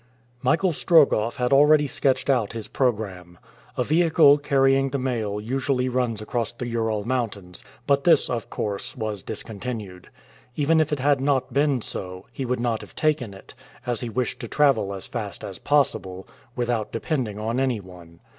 Michael Strogoff had already sketched out his programme. A vehicle carrying the mail usually runs across the Ural Mountains, but this, of course, was discontinued. Even if it had not been so, he would not have taken it, as he wished to travel as fast as possible, without depending on anyone.